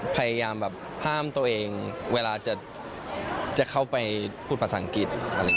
พยายามแบบห้ามตัวเองเวลาจะเข้าไปพูดภาษาอังกฤษ